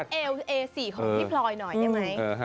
ของพี่ปลอยหน่อยได้ไหม